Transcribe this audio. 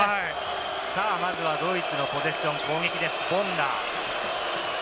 まずはドイツがポゼッション、攻撃です、ボンガ。